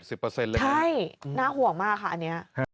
ใช่น่าห่วงมากค่ะอันนี้